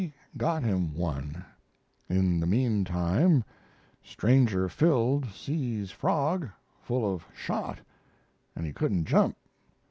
got him one: in the mean time stranger filled C.'s frog full of shot and he couldn't jump.